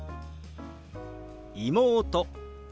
「妹」。